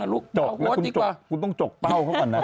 อ้าวอ้างกกว่ามาก